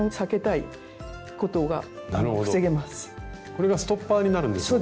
これがストッパーになるんですね。